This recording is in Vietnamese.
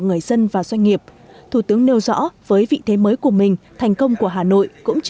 người dân và doanh nghiệp thủ tướng nêu rõ với vị thế mới của mình thành công của hà nội cũng